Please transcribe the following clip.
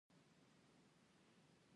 اوړي د افغانستان د امنیت په اړه هم اغېز لري.